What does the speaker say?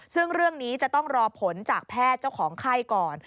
ซึ่งเรื่องนี้จะต้องรอผลจากแพทย์เจ้าของไข้ก่อน